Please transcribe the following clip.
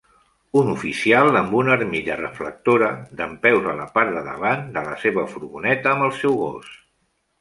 Un oficial amb una armilla reflectora dempeus a la part de davant de la seva furgoneta amb el seu gos